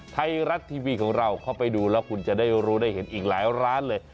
ไทยรัฐทีวีของเราเข้าไปดูแล้วคุณจะได้รู้ได้เห็นอีกหลายร้านเลย